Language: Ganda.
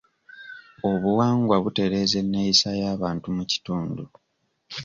Obuwangwa butereeza enneeyisa y'abantu mu kitundu.